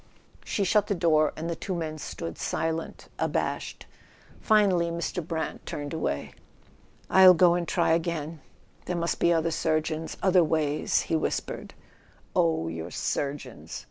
She shut the door, and the two men stood silent, abashed; finally Mr. Brant turned away. "I'll go and [ 289 ] A SON AT THE FRONT try again. There must be other surgeons ... other ways .. he w T hispered. "Oh, your surgeons